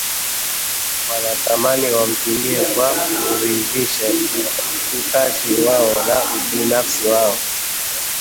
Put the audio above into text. wanatamani wamtumie kwa kuridhisha utashi wao na ubinafsi wao